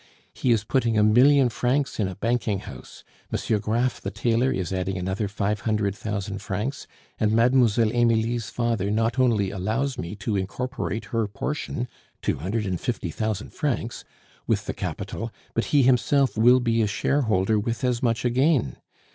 He is putting a million francs in a banking house, M. Graff the tailor is adding another five hundred thousand francs, and Mlle. Emilie's father not only allows me to incorporate her portion two hundred and fifty thousand francs with the capital, but he himself will be a shareholder with as much again.